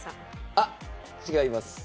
あっ違います。